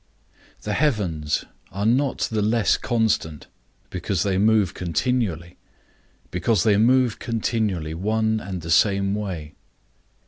The heavens are not the less constant, because they move continually, because they move continually one and the same way.